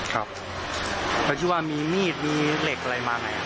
เขาคิดว่ามีมีดมีเล็กอะไรมาไง